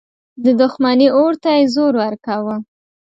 د دښمني اور ته یې زور ورکاوه.